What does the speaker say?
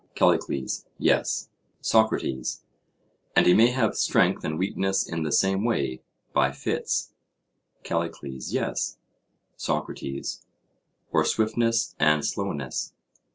CALLICLES: Yes. SOCRATES: And he may have strength and weakness in the same way, by fits? CALLICLES: Yes. SOCRATES: Or swiftness and slowness?